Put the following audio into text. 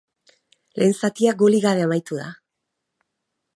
Lehen zatia golik gabe amaitu da.